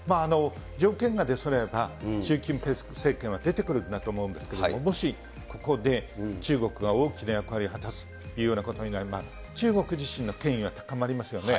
条件が出そろえば、習近平政権は出てくるんだと思うんですけれども、もしここで、中国が大きな役割を果たすというようなことなると、中国自身の権威は高まりますよね。